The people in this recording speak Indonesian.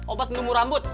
obat ngemur rambut